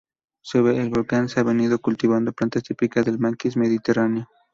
Sobre el volcán se ha venido cultivando plantas típicas del maquis mediterráneo